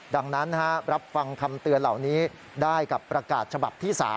ดังนั้นรับฟังคำเตือนเหล่านี้ได้กับประกาศฉบับที่๓